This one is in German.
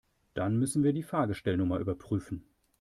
Dann müssen wir die Fahrgestellnummer überprüfen.